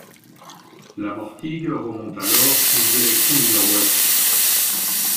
La Mortigue remonte alors en direction du nord-ouest.